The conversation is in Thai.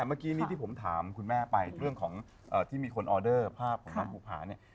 เมื่อกี้นี้ที่ผมถามคุณแม่ไปเรื่องของที่มีคนออเดอร์ภาพของน้องภูผาเนี่ย